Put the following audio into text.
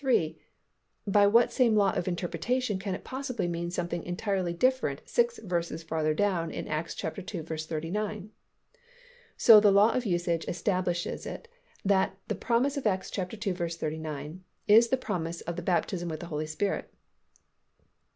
33, by what same law of interpretation can it possibly mean something entirely different six verses farther down in Acts ii. 39? So the law of usage establishes it that the promise of Acts ii. 39 is the promise of the baptism with the Holy Spirit.